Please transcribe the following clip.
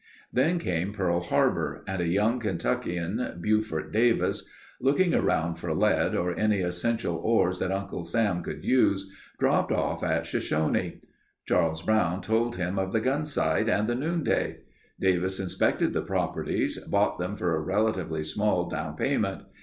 Then came Pearl Harbor and a young Kentuckian, Buford Davis, looking around for lead or any essential ores that Uncle Sam could use, dropped off at Shoshone. Charles Brown told him of the Gunsight and the Noonday. Davis inspected the properties, bought them for a relatively small down payment.